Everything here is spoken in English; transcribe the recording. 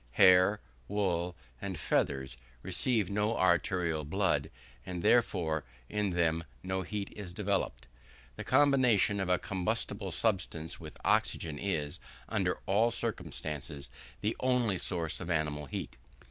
Hair, wool, and feathers, receive no arterial blood, and, therefore, in them no heat is developed. The combination of a combustible substance with oxygen is, under all circumstances, the only source of animal heat.